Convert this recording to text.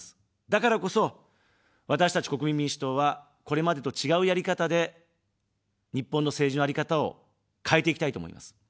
だからこそ、私たち国民民主党は、これまでと違うやり方で日本の政治のあり方を変えていきたいと思います。